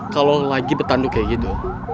kalau lagi betandu kayak gitu